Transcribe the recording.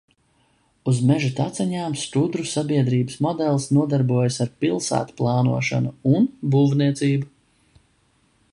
Uz meža taciņām skudru sabiedrības modelis nodarbojas ar pilsētplānošanu un būvniecību.